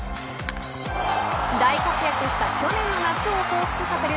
大活躍した去年の夏をほうふつさせる